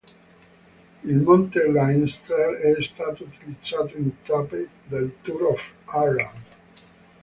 Il monte Leinster è stato utilizzato in tappe del Tour of Ireland.